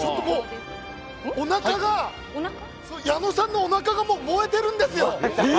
矢野さんのおなかが、もう燃えてるんですよ！